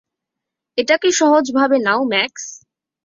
এটা কে সহজ ভাবে নাও, ম্যাক্স।